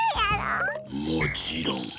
もちろん。